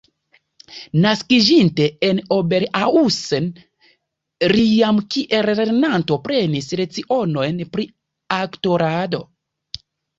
Naskiĝinte en Oberhausen, li jam kiel lernanto prenis lecionojn pri aktorado.